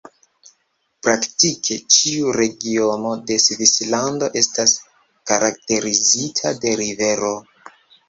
Praktike ĉiu regiono de Svislando estas karakterizita de rivero.